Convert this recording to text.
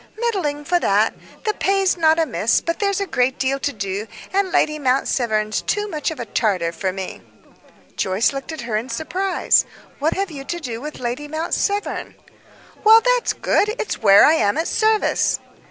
"Middling, for that. The pay's not amiss, but there's a great deal to do, and Lady Mount Severn's too much of a Tartar for me." Joyce looked at her in surprise. "What have you to do with Lady Mount Severn?" "Well, that's good! It's where I am at service."